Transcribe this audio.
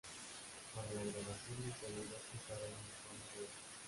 Para la grabación del sonido usaba una sala de eco.